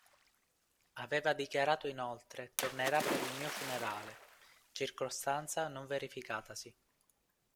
Aveva dichiarato inoltre "tornerà per il mio funerale", circostanza non verificatasi.